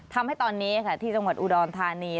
ทำให้ตอนนี้ที่จังหวัดอุดรธานี